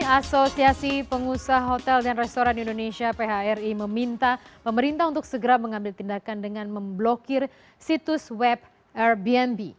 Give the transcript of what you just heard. asosiasi pengusaha hotel dan restoran indonesia phri meminta pemerintah untuk segera mengambil tindakan dengan memblokir situs web airbnb